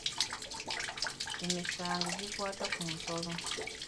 Emisango egikwata ku nsolo.